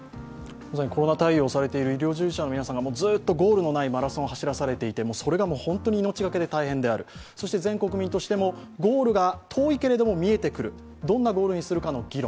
コロナ対応をされている医療従事者の皆さんがずっとゴールのないマラソンを走らされていて、それが命がけで大変である、そして全国民としてもゴールが遠いけど見えてくる、どんなゴールにするかの議論。